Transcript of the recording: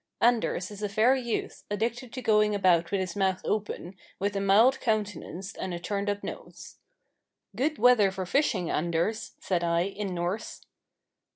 Anders is a fair youth, addicted to going about with his mouth open, with a mild countenance and a turned up nose. "Good weather for fishing, Anders," said I, in Norse.